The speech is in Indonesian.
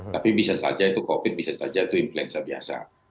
tapi bisa saja itu covid bisa saja itu influenza biasa